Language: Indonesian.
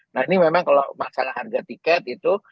nah ini memang kalau masalah harga tiket itu